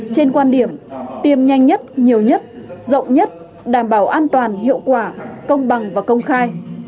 trên quan điểm tiêm nhanh nhất nhiều nhất rộng nhất đảm bảo an toàn hiệu quả công bằng và công khai